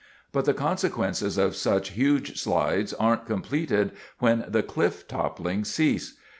But the consequences of such huge slides aren't completed when the cliff toppling ceases.